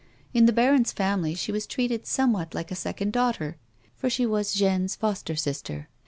In the baron's family she was treated somewhat like a second daughter, for she was Jeanne's foster sister.